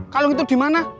kalung itu dimana